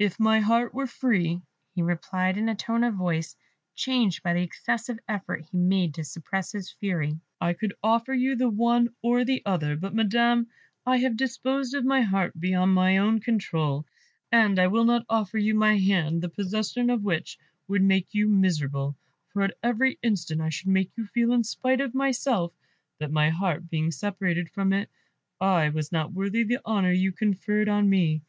"If my heart were free," he replied, in a tone of voice changed by the excessive effort he made to suppress his fury, "I could offer you the one or the other; but, Madam, I have disposed of my heart beyond my own control, and I will not offer you my hand, the possession of which would make you miserable, for at every instant I should make you feel, in spite of myself, that, my heart being separated from it, I was not worthy the honour you conferred on me.